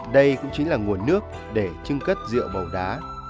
đây cũng chính là nguồn nước để trưng cất rượu bầu đá